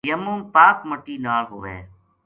تیمم پاک مٹٰی نال ہووے۔